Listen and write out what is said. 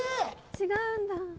違うんだ。